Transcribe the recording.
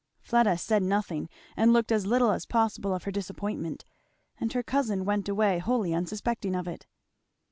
Fleda said nothing and looked as little as possible of her disappointment, and her cousin went away wholly unsuspecting of it.